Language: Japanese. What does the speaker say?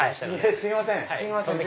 すいません。